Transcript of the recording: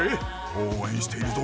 応援しているぞ！